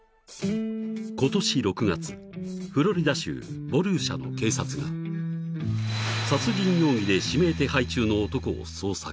［今年６月フロリダ州ボルーシャの警察が殺人容疑で指名手配中の男を捜索］